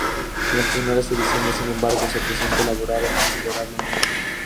En las primeras ediciones, sin embargo, se presenta elaborado considerablemente.